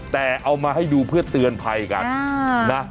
แต่เอามาให้ดูเพื่อเตือนภัยกันนะ